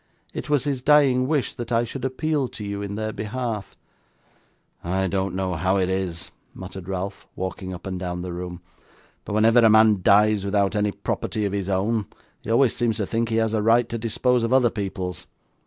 It was his dying wish that I should appeal to you in their behalf.' 'I don't know how it is,' muttered Ralph, walking up and down the room, 'but whenever a man dies without any property of his own, he always seems to think he has a right to dispose of other people's.